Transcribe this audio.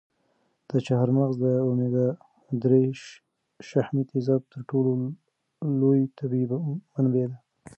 دا چهارمغز د اومیګا درې شحمي تېزابو تر ټولو لویه طبیعي منبع ده.